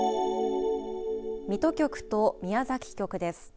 水戸局と宮崎局です。